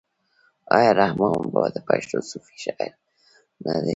آیا رحمان بابا د پښتو صوفي شاعر نه دی؟